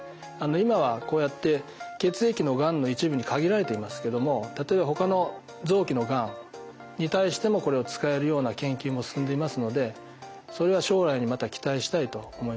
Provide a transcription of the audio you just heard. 今はこうやって血液のがんの一部に限られていますけども例えばほかの臓器のがんに対してもこれを使えるような研究も進んでいますのでそれは将来にまた期待したいと思います。